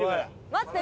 待って！